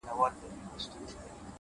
• بيزو ناسته وه خاوند ته يې كتله,